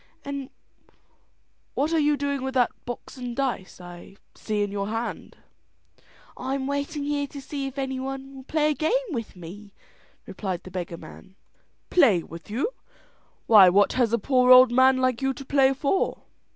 "An' what are you doing with that box and dice I see in your hand?" "I am waiting here to see if any one will play a game with me," replied the beggar man. "Play with you! Why what has a poor old man like you to play for?"